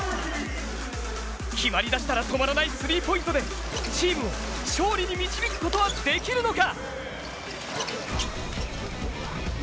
決まりだしたら止まらないスリーポイントでチームを勝利に導くことはできるのか？